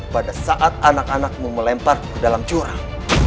pada saat anak anakmu melemparku dalam jurang